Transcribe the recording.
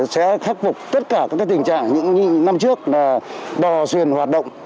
sẽ khắc phục tất cả tình trạng những năm trước là đò xuyên hoạt động